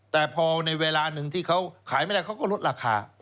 แต่พอในเวลาหนึ่งที่เขาขายไม่ได้เขาก็ลดราคา